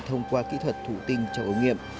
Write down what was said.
thông qua kỹ thuật thụ tinh trong ống nghiệm